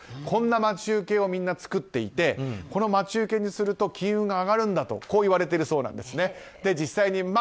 こんな待ち受けをみんな作っていてこの待ち受けにすると金運が上がるんだとこういわれているそうです。